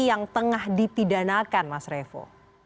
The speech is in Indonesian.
yang tengah dipidanakan mas revo